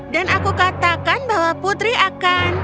dan aku katakan bahwa putri akan